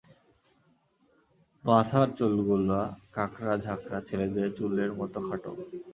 মাথার চুলগুলা কাঁকড়া ঝাকড়া, ছেলেদের চুলের মতো খাটো।